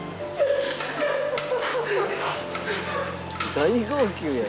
「大号泣やん！